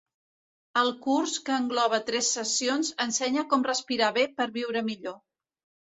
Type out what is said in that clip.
El curs que engloba tres sessions ensenya com respirar bé per viure millor.